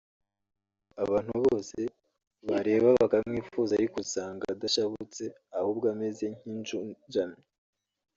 abantu bose bareba bakamwifuza ariko usanga adashabutse ahubwo ameze nk’ujunjamye